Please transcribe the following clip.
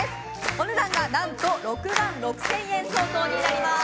お値段が何と６万６０００円相当になります。